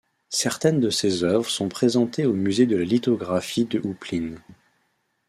Certaines de ses œuvres sont présentées au Musée de la Lithographie de Houplines.